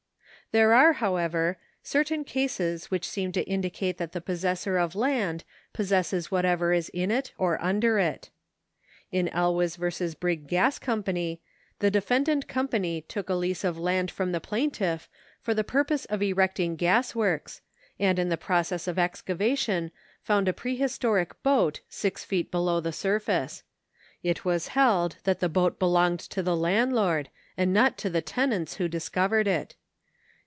There are, however, certain cases which seem to indicate that the possessor of land possesses whatever is in it or under it. In Elwes v. Brigg Gas Co. ^ the defendant company took a lease of land from the plaintiff for the purpose of erecting gas works, and in the process of excavation found a prehistoric boat six feet below the surface. It was held that the boat belonged to the landlord, and not to the tenants wlio discovered it.